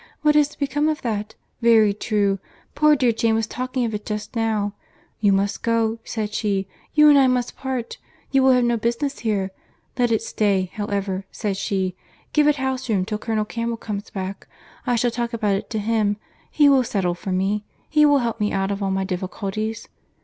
What is to become of that?—Very true. Poor dear Jane was talking of it just now.—'You must go,' said she. 'You and I must part. You will have no business here.—Let it stay, however,' said she; 'give it houseroom till Colonel Campbell comes back. I shall talk about it to him; he will settle for me; he will help me out of all my difficulties.